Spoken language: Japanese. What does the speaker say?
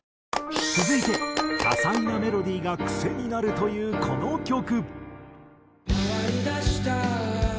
続いて多彩なメロディーがクセになるというこの曲。